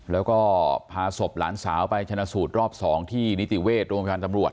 แล้วก็พาศพหลานสาวไปชนะสูตรรอบ๒ที่นิติเวชโรงพยาบาลตำรวจ